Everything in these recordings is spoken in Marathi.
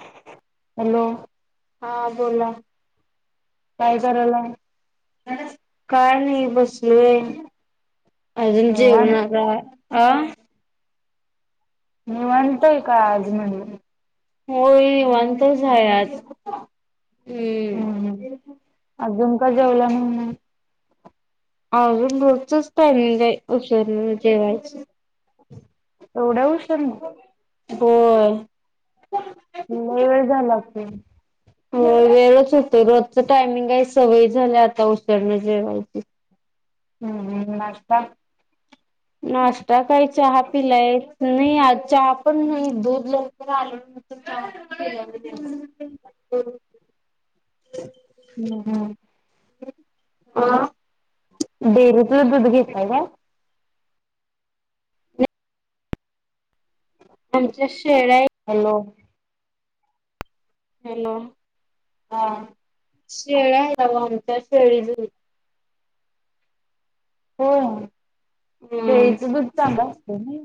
[inaudible] हॅलो. हा बोला. काय करायलाय? [unintelligible] काय नाही बसलोय, अजून निवांत जेवणारा आ निवांतय का आज? म्हणालं मी. होय, निवांतच हाय आज. हम्म हम्, अजून का जेवला नाही मगं? [unintelligible] रोजचाच टायमिंगय उशिरानं जेवायचं. एवढ्या उशिरनं? होय. [inaudible] लय वेळ झाला की. हो वेळच होतोय रोजच टायमिंगय, सवय झाल्या आता उशिरन जेवायची. हम्म हम् नाश्ता? नाश्ता काय चहा पिलायं, नाही आज चहा पण नाही, दूध लवकर आल [inaudible] [unintelligible] हम् ह. आं डेरीतलं दुध घेताय काय? आमच्या शेळ्या हॅलो. हॅलो हा शेळया आहेत आहो आमच्या, शेळीच दुध होय, हम्म शेळीच दुध चांगल असतं नाय?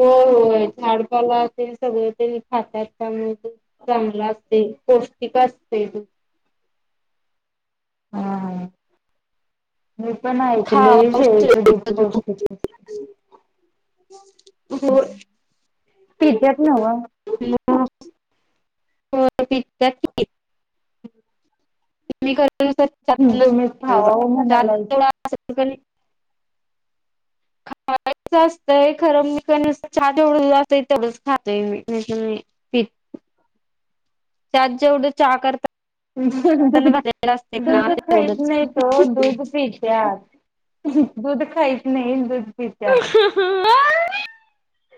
होय होय, झाडपाला असेल सगळं ते खातात त्यामुळे ते, चांगलं असते. पौष्टिक असतय दुध ते. [unintelligible] ह मी पण ऐकले खावावंच शेळीचं दुध लागतं पौष्टिक दूध. [unintelligible] पित्यात नव. [unintelligible] होय, पित्यात की. [unintelligible] तुम्हीच [unintelligible] खावावं म्हणालायस. [unintelligible] [unintelligible] खायच असतय खरं, मी नुसत चहा जेवढं [unintelligible] अस तेवढच खातोय मी, नाही तर नाही पित. [unintelligible] त्यात जेवढं चहा करता [unintelligible] ना दूध खाहीत तेवढंच. नाही ओ, दूध पित्या त. [unintelligible] दुध खाईत नाही दुध पित्यात.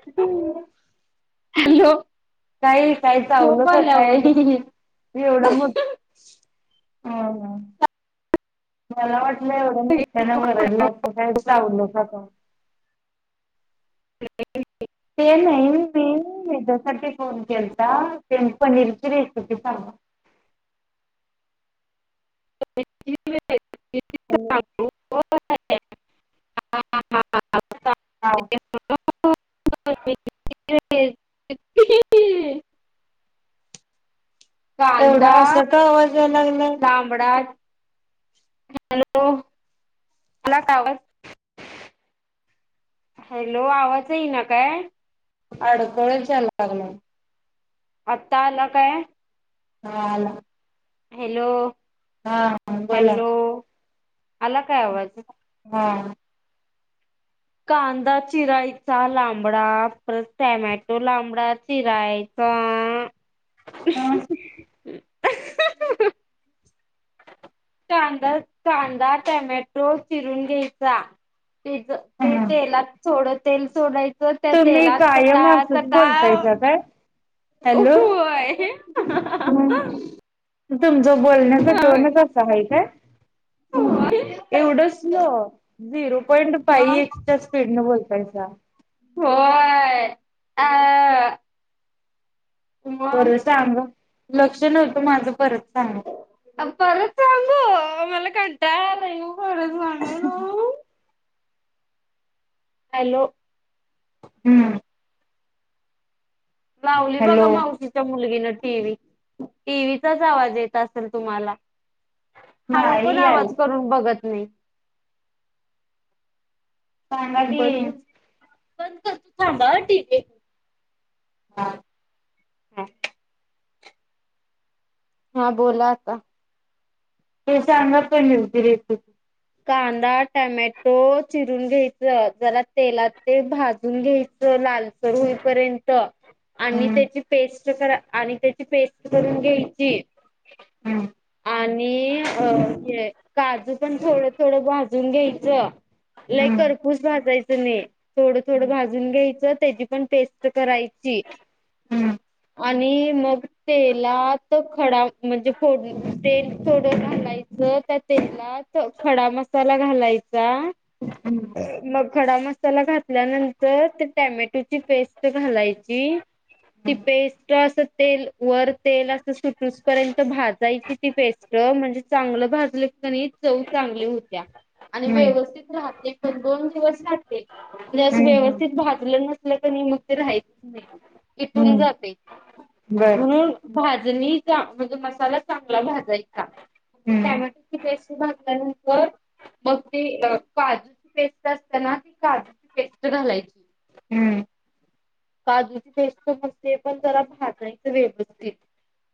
[unintelligible] हॅलो. ताई काही चावलं झोप का आल्या ओ काही एवढं मोठ हम्म हम्म मला वाट एवढ्या मोठ्यानं ओरडलात तर काही झोप चावलं का काय? [unintelligible] ते नाही मी हेच्यासाठी फोन केलता की पनीरची रेसिपी सांगा [unintelligible] हॅलो [unintelligible] हाव [unintelligible] एवढं असं का आवाज यायला लागलाय लामडा हॅलो आला का आवाज हॅलो आवाज येई नाय काय. अडकलत यायला लागलाय आत्ता आला काय? हा आला. हॅलो. हा बोला. हॅलो आला काय आवाज? हा. कांदा चिरायचा लांबडा परत टॅमॅटो लांबडा चिराय चा हा कांदा कांदा टामेटो चिरून घ्यायचा पि ते तेलात सोड तेल सोडायचं च तुम्ही कायम त्या असंच तेलत बोलतायसा काय? [unintelligible] हॅलो व्हय तुमचं बोलण्याचा टोनच असा आहे काय? एवढ स्लो झिरो पॉईंट फाई हा. एक्स च्या स्पीड न बोलताय [unintelligible] व्हय हा बर सांग लक्ष नव्हतं माझं परत सांगा. पण परत सांगू मला कंटाळा आलायो [inaudible] हॅलो. हम्म. लावली हॅलो बघा मावशीच्या मुलगीन टीव्ही टीव्हीचाच आवाज येत असेल तुम्हाला हळू पण नाही आला आवाज करून बघत नाही सांगा की बंद बंद करतू थांबा हा टीव्ही हा. हम्म. हा बोला आता ते संगत पण [unintelligible] कांदा टमॅटो चिरून घ्यायच जरा तेलात ते भाजून घ्यायचं ते लालसर होईपर्यंत आणि हम्म त्याची पेस्ट करा आणि त्याची पेस्ट करून घ्यायची हम्म आणि अ हे काजू पण थोड भाजून घ्यायच लय हम्म खरपूस भाजायचं नाही थोडं थोडं भाजून घ्यायचं त्याची पण पेस्ट करायची. हम्म आणि मग तेलात खडा म्हणजे फोड तेल थोडं घालायचं. त्यात तेलात खडा मसाला घालायचा. मग खडा मसाला घातल्यानंतर ते टॅमॅटोची पेस्ट घालायची. ती पेस्ट अस तेलवर तेल अस सुटूस पर्यंत भाजायची ती पेस्ट. म्हणजे चांगलं भाजल की नई चव चांगली होत्या. आणि हम्म हम्म व्यवस्थित राहते पण दोन दिवस राहते. म्हणजे असं हम्म व्यवस्थित भाजलं नसलं कनई मग ते राहीत नाही इटून हम्म जातेय. बर म्हणून भाजणी चा म्हणजे मसाला चांगला भाजायचा. हम्म टॅमॅटोची पेस्ट भाज [unintelligible] मग ते काजूची पेस्ट असतेना ती काजूची पेस्ट घालायची. हम्म काजूची पेस्ट मग ते पण जरा भजायची व्यवस्थित.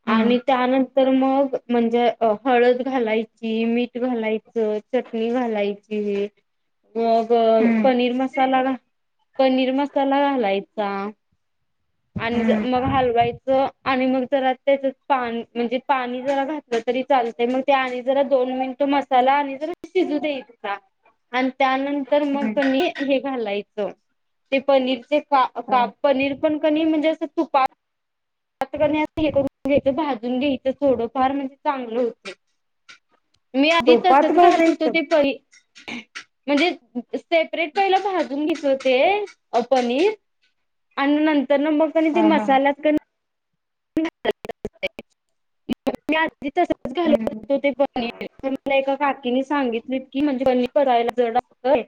हम्म आणि त्यानंतर मग म्हणजे हळद घालायची, मीठ घालायचं. चटणी घालायची. मग हम्म पनीर मसाला घा, पनीर मसाला घालायचा. आणि हम्म मग हलवायचं आणि मग जरा त्याच पा म्हणजे पाणी जरा घातलं तरी चालते मग ते आणि जरा दोन मिनिट मसाला आणि जरा शिजू द्यायचा. आणि त्यानंत तर मग हम्म तुम्ही हे घालायचं ते पनीरचे अ काप पनीर पण कनई म्हणजे असं तुप आता क नाही हे करून घ्यायचं, भाजून घ्यायचं थोडं फार म्हणजे चांगलं होतंय. [unintelligible] मी आधी तुपात तसच घालतं होते भाजायचं ते प म्हणजे सेपरेट पहिलं भाजून घेतो ते पनीर [inaudible] आणि नंतर न मग कनई ते हा हा मसाल्यात कन [unintelligible] मी आधी तसच घाल हम्म [unintelligible] तो ते पनीर. मला एका काकीने सांगितले की म्हणजे पनीर पचायला जड असतंय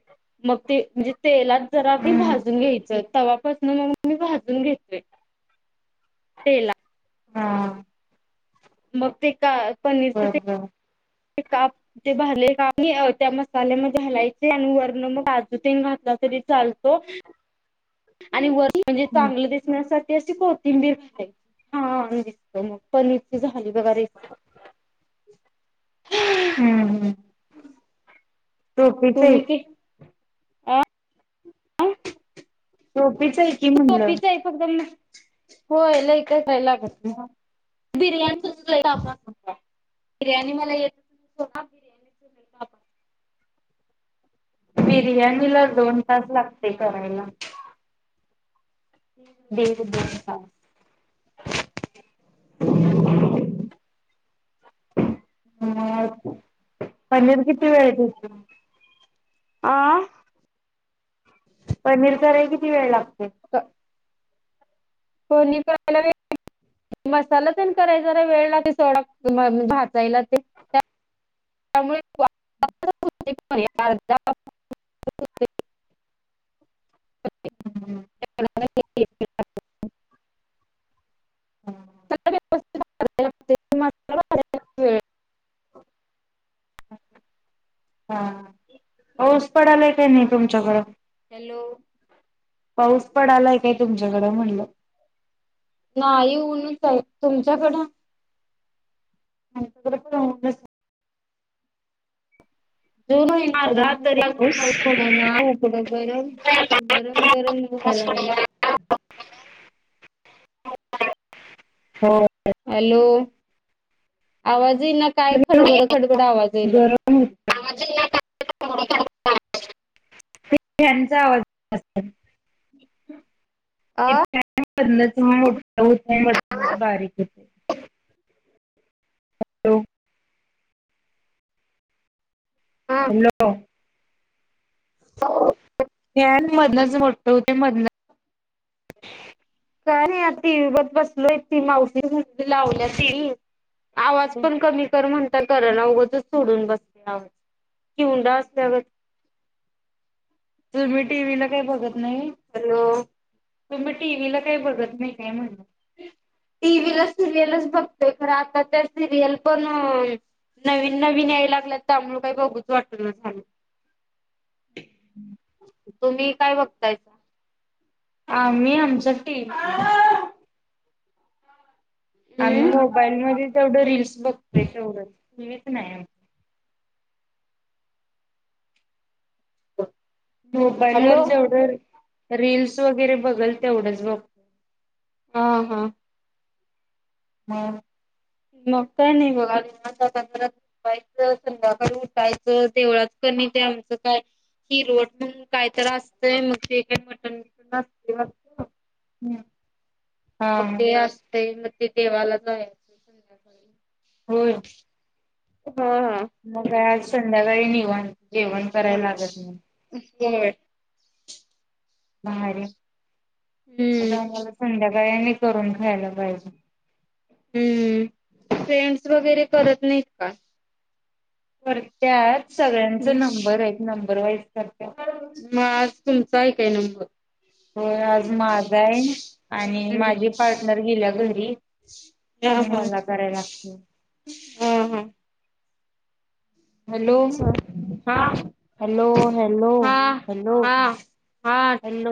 मग ते म्हणजे तेलात जरा आपण हम्म भाजून घ्यायचं, तेव्हापासन मग मी भाजून घेतोय. [inaudible] तेला हा मग ते का पनीरच बर, ‌ बर. ते काप ते भरले काप म त्या मसाल्यामध्ये हलायचे आणि वरनं मग काजू तेन घालु [unintelligible] तरी चालतो. आणि वर म्हणजे हम्म चांगलं दिसण्यासाठी अशी कोथिंबीर घालायची. छान दिसतं मग पनीरची झाली बघा रेसि हम्म. [inaudible] टोपीच आहे तुम्ही [unintelligible] अं? [unintelligible] सोपीच हाय फक्त होय लै करायला लागत नाही. बिर्याणी [inaudible] बिर्याणी मला येत [inaudible] [unintelligible] बिर्याणीला दोन तास लागतंय करायला. दीड, दोन तास. [inaudible] पनीर किती वेळ [inaudible] आं पनीर कराय किती वेळ लाग का कोणी करायला. [inaudible] मसाला तेन कराय जरा वेळ लागते सोडा [inaudible] भाजायला ते त्या त्यामुळे [inaudible] अर्धा. [inaudible] हम्म. [inaudible] [unintelligible] [inaudible] वेळ हा पाऊस पडालाय का नाय तुमच्याकडं? हॅलो पाऊस पडालाय काय तुमच्याकडं म्हणलं? नाही ऊनच आहे तुमच्याकडं? [inaudible] जून होई ना पडला आला नाही तरी का अजून पाऊस पडेना. [inaudible] गरम गरम होयला लागलं. [unintelligible] हो. हॅलो आवाज येईना काय खडबड खडबड आवाज येयला. गरम होत. [inaudible] ह्यांचा आवाज असतं. [inaudible] हा [unintelligible] बारीक होते. हॅलो. हॅलो [inaudible] फॅन मधनंच मोठं होतंय मधनंच काय नाही टीवी बघत बसलोय ती मावशीची मुलगी लावल्याती. आवाज पण कमी कर म्हणटल कर त्याला उगंचच सोडून बसल्या [inaudible] कि [unintelligible] तुम्ही टीव्ही ला काय बघत नाही? हॅलो तुम्ही टीव्हीला काही बघत नाही काय म्हणनं? टी व्ही ला सिरियलच बघतोय खरं आता त्या सिरियल पण नवीन-नवीन याय लागल्यात त्यामुळं कायी बघूच वाटेना झालं. [unintelligible] तुम्ही काय बघतायचा? आम्ही आमच टीम आम्ही हम्म मोबाईल मध्ये तेवढं रीलस बघतोय तेवढं टीव्हीच नाही मोबाईल वर हॅलो जेवढं रील्स वगैरे बघल तेवढंच बघत. हा हा. हां. मग काय नाही बघायलय [unintelligible] संध्याकाळी उठायचं देवळात त्यांनी ते आमचं काय? ती रोट म्हणून कायतर असतंय मग तेे चिकन मटन. [unintelligible] हम्म. मग ते असते मग ते देवाला जायचं संध्याकाळी. हो. हा हा मग आज संध्याकाळी निवण जेवण करायला लागत नाही. [unintelligible] बारला [unintelligible] हम्म संध्या सगळ्यांनी करून खायला पाहिजे. हम्म फ्रेंड्स वगैरे करत नाहीत का. करत्यात सगळ्यांचा नंबर आहेत नंबर वाईज कर मग आज तुमचा हाय काय नंबर. हो आज माझा आहे, आणि माझे पार्टनर गेल्या घरी. हा होय हा. मला कराय लागतेय. हा हा. हा हॅलो हॅलो हा हॅलो हा. हा. हॅलो